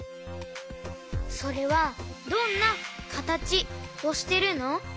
それはどんなかたちをしてるの？